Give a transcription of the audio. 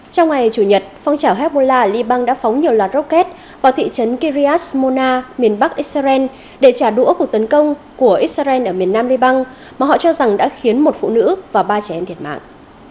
trong ngày chủ nhật phong trào hezbollah ở liban đã phóng nhiều loạt rocket vào thị trấn kiriat mona miền bắc israel để trả đũa cuộc tấn công của israel ở miền nam liban mà họ cho rằng đã khiến một phụ nữ và ba trẻ em thiệt mạng